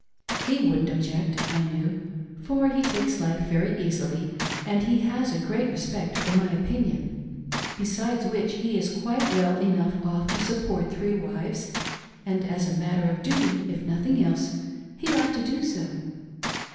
He wouldn't object, I knew, for he takes life very easily and he has a great respect for my opinion. Besides . which, he is quite well enough off to support three wives, and as a matter of duty, if nothing else, he ought to do so.